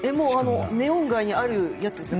ネオン街にあるやつですね